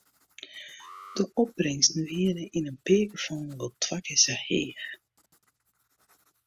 De opbringsten wiene yn in pear gefallen wol twa kear sa heech.